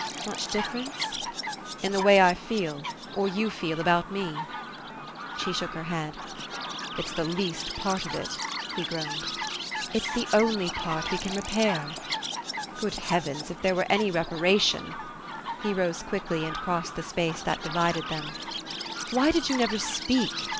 "Much difference?" "In the way I feel or you feel about me?" She shook her head. "It's the least part of it," he groaned. "It's the only part we can repair." "Good heavens! If there were any reparation " He rose quickly and crossed the space that divided them. "Why did you never speak?"